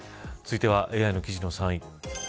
続いてはＡＩの記事の３位。